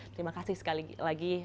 terima kasih sekali lagi